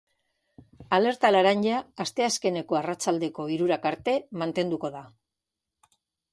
Alerta laranja asteazkeneko arratsaldeko hirurak arte mantenduko da.